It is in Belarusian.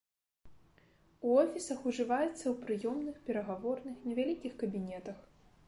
У офісах ужываецца ў прыёмных, перагаворных, невялікіх кабінетах.